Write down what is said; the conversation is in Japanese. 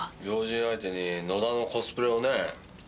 要人相手に野田のコスプレをねぇ。